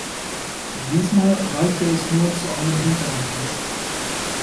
Diesmal reichte es nur zu einem hinteren Platz.